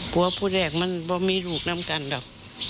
ผัวผู้แรกมันไม่มีลูกนั้งกันหรอก